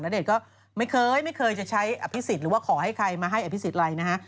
เดชน์ก็ไม่เคยไม่เคยจะใช้อภิษฎหรือว่าขอให้ใครมาให้อภิษฎอะไรนะฮะ